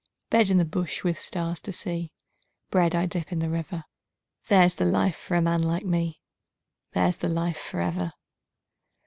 Bed in the bush with stars to see, Bread I dip in the river There's the life for a man like me, There's the life for ever.